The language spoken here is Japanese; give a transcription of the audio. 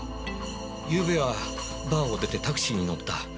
ゆうべはバーを出てタクシーに乗った。